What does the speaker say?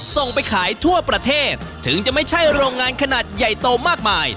ส่งไปขายทั่วประเทศถึงจะไม่ใช่โรงงานขนาดใหญ่โตมากมาย